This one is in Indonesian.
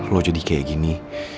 lo jadi kayak gini